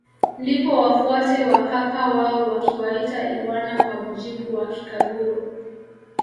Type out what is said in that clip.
Ndipo wafuate wa kaka wao wakiwaita iwana kwa mujibu wa kikaguru